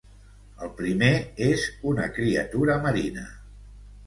El primer és una criatura marina.